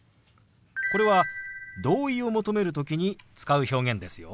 これは同意を求める時に使う表現ですよ。